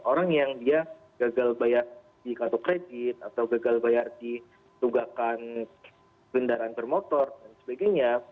orang yang dia gagal bayar di kartu kredit atau gagal bayar di tugakan kendaraan bermotor dan sebagainya